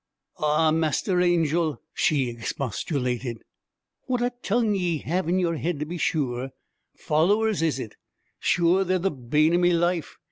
'Aw, Master Angel,' she expostulated, 'what a tongue ye have in yer head to be sure! Followers, is it? Sure, they're the bane o' me life!